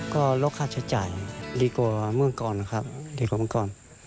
ก็ลูกค้าใช้จ่ายดีกว่าเมื่อก่อน